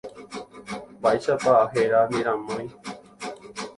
Mba'éichapa héra ne ramói.